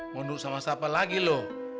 mau nurut sama siapa lagi lu